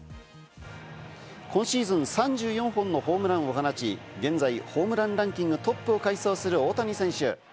今シーズン３４本のホームランを放ち、現在ホームランランキングトップを快走する大谷選手。